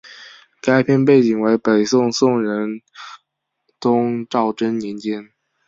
该片背景为北宋宋仁宗赵祯年间。